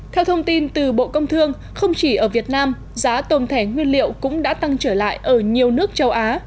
theo thông tin từ bộ công thương không chỉ ở việt nam giá tôm thẻ nguyên liệu cũng đã tăng trở lại ở nhiều nước châu á